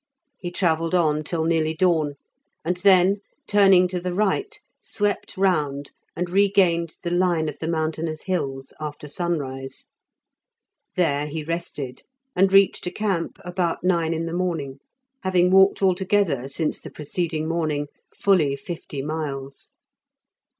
He travelled on till nearly dawn, and then, turning to the right, swept round, and regained the line of the mountainous hills after sunrise. There he rested, and reached a camp about nine in the morning, having walked altogether since the preceding morning fully fifty miles.